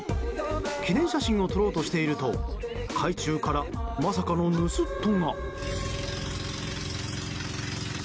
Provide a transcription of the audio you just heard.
記念写真を撮ろうとしていると海中からまさかの盗っ人が。